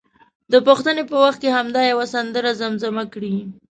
د پوښتنې په وخت کې همدا یوه سندره زمزمه کړي.